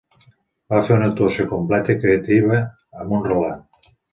Va fer una actuació completa i creativa amb un relat.